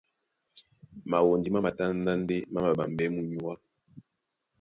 Mawondi má matándá ndé má māɓambɛɛ́ munyuá.